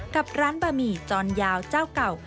กับร้านบะหมี่จอนยาวเจ้าเก่า